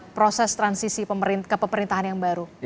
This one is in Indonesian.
proses transisi ke pemerintahan yang baru